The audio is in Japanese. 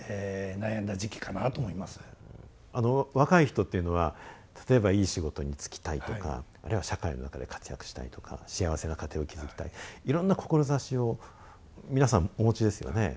若い人っていうのは例えばいい仕事に就きたいとかあるいは社会の中で活躍したいとか幸せな家庭を築きたいいろんな志を皆さんお持ちですよね？